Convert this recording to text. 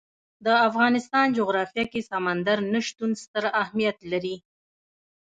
د افغانستان جغرافیه کې سمندر نه شتون ستر اهمیت لري.